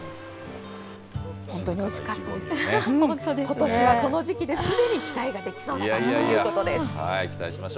ことしはこの時期ですでに期待ができそうだということです。